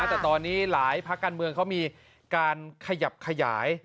แต่ตอนนี้หลายภาคการเมืองเขามีการขยับขยาย